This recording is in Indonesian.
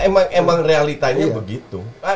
ya emang realitanya begitu